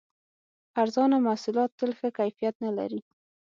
ارزانه محصولات تل ښه کیفیت نه لري.